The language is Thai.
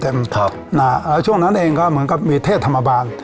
แล้วช่วงนั้นเองก็เหมือนกับมีเทพธรรมบาล